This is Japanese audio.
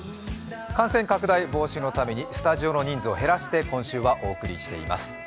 感染拡大防止のためにスタジオの人数を減らして今週はお送りしています。